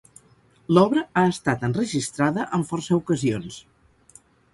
L'obra ha estat enregistrada en força ocasions.